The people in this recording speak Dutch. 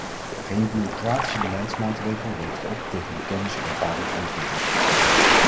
Geen bureaucratische beleidsmaatregel weegt op tegen de kennis en ervaring van de vissers.